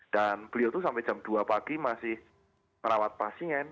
dan beliau itu sampai jam dua pagi masih merawat pasien